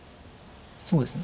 そうですね。